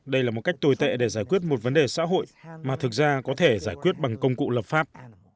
đây là một cách tồi tệ để giải quyết một vấn đề xã hội mà thực ra có thể giải quyết bằng công cụ lập pháp